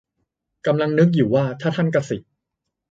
กำลังนึกอยู่ว่า ถ้าท่านกษิต